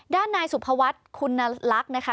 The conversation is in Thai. ด้านนายสุภวัฒน์คุณลักษณ์นะคะ